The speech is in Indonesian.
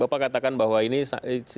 bapak katakan bahwa ini